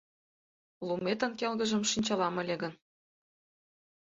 Луметын келгыжым шинчалам ыле гын